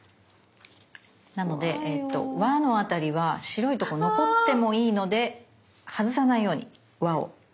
なのでえっと輪の辺りは白いとこ残ってもいいので外さないように輪を。